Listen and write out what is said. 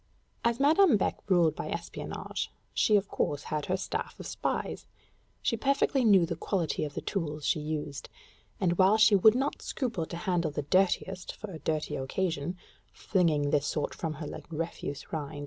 As Madame Beck ruled by espionage, she of course had her staff of spies; she perfectly knew the quality of the tools she used, and while she would not scruple to handle the dirtiest for a dirty occasion flinging this sort from her like refuse rind?